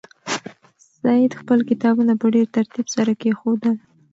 سعید خپل کتابونه په ډېر ترتیب سره کېښودل.